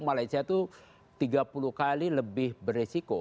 malaysia itu tiga puluh kali lebih beresiko